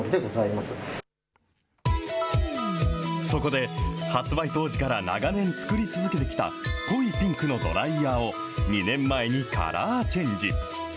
そこで、発売当時から長年作り続けてきた濃いピンクのドライヤーを２年前にカラーチェンジ。